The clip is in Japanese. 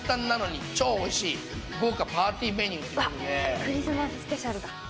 クリスマススペシャルだ。